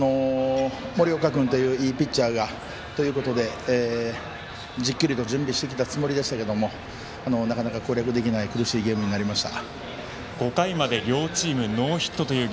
森岡君といういいピッチャーが相手ということでしっかりと準備してきたつもりでしたがなかなか攻略できない苦しいゲームでした。